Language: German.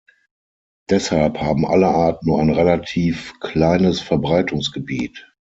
Deshalb haben alle Arten nur ein relativ kleines Verbreitungsgebiet.